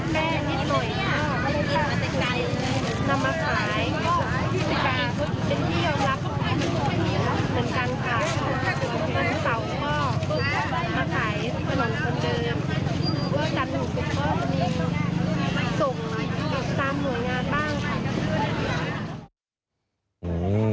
ก็จะถูกส่งตามหัวงานบ้าง